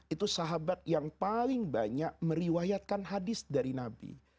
itu sahabat yang paling banyak meriwayatkan hadis dari nabi